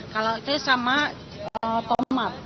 kalau itu sama tomat